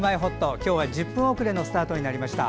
きょうは１０分遅れのスタートになりました。